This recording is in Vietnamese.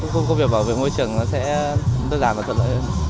công việc bảo vệ môi trường nó sẽ đơn giản và thuận lợi hơn